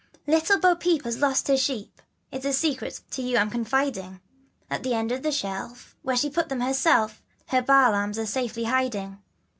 L ITTLE Bo peep has lost her Sheep, (It's a secret to you I'm confiding.) At the end of the shelf, Where she put them herself Her Baa lambs are safely hiding.